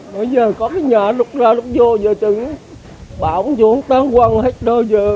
mỗi giờ có cái nhà lúc ra lúc vô giờ trứng bão xuống tán quăng hết đôi giờ